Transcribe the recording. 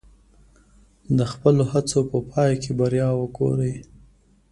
د خپلو هڅو په پای کې بریا وګورئ.